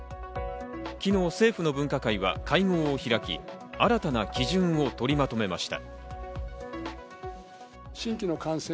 昨日、政府の分科会は会合を開き、新たな基準を取りまとめました。